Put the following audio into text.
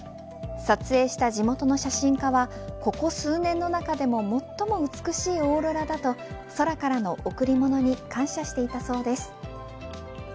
撮影した地元の写真家はここ数年の中でも最も美しいオーロラだと空からの贈り物に感謝していたそうです。